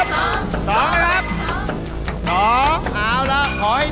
ต่อจานที่๒ถูกหรือไม่เอาดู